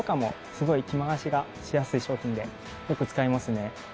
すごい着回しがしやすい商品でよく使いますね。